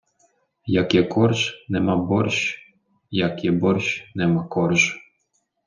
Як є корж:, нема борщ, як є борщ, нема корж.